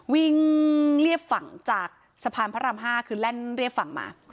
เรียบฝั่งจากสะพานพระราม๕คือแล่นเรียบฝั่งมา